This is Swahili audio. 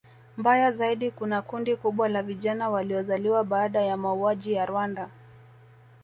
Mbaya zaidi kuna kundi kubwa la vijana waliozaliwa baada ya mauaji ya Rwanda